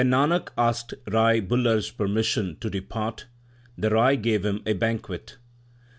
When Nanak asked Rai Bular s permission to depart, the Rai gave him a banquet.